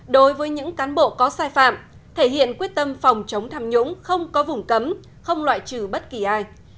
đối với những cán bộ có sai phạm thể hiện quyết tâm phòng chống tham nhũng không có vùng cấm không loại trừ bất kỳ ai